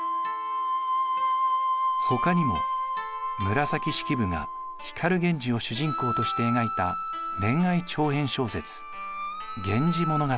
ほかにも紫式部が光源氏を主人公として描いた恋愛長編小説「源氏物語」。